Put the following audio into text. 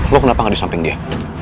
lo kenapa gak disamping dia